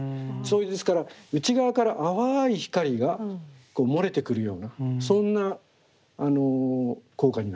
ですから内側から淡い光が漏れてくるようなそんな効果になってる。